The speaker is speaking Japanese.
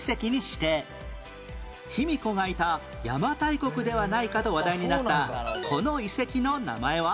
卑弥呼がいた邪馬台国ではないかと話題になったこの遺跡の名前は？